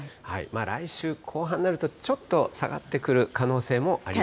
来週後半になると、ちょっと下がってくる可能性もあります。